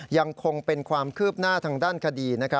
ยังคงเป็นความคืบหน้าทางด้านคดี